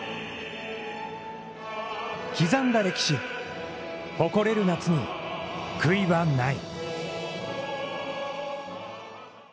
刻んだ歴史、誇れる夏に悔いはない。